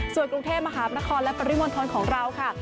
ส่วนกรุงเทพมหานครและปริมณฑลของเราค่ะ